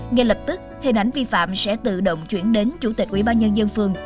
ngay lập tức hình ảnh vi phạm sẽ tự động chuyển đến chủ tịch quỹ ba nhân dân phường